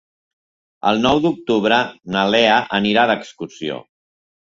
El nou d'octubre na Lea anirà d'excursió.